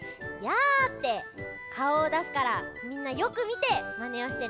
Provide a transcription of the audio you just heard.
「やあ」ってかおをだすからみんなよくみてマネをしてね。